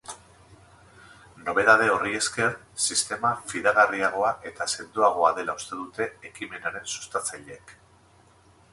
Nobedade horri esker, sistema fidagarriagoa eta sendoagoa dela uste dute ekimenaren sustatzaileek.